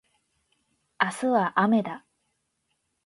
明日はあめだ